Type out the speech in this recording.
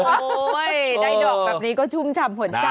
โอ๊ยได้ดอกแบบนี้ก็ชุ่มฉ่ำหัวใจ